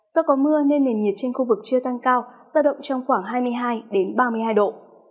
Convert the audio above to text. do có mưa nên nền nhiệt trên khu vực chưa tăng cao giao động trong khoảng hai mươi hai ba mươi hai độ